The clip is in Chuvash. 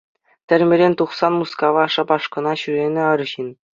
Тӗрмерен тухсан Мускава шапашкӑна ҫӳренӗ арҫын.